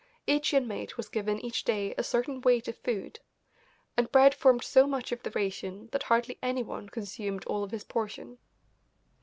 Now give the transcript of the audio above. Each inmate was given each day a certain weight of food, and bread formed so much of the ration that hardly anyone consumed all of his portion.